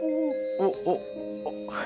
おっおっ。